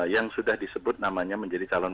yang sudah disebut namanya menjadi calon